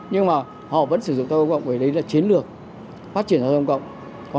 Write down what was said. nhưng mà họ vẫn sử dụng giao thông công cộng vì đấy là chiến lược phát triển giao thông công cộng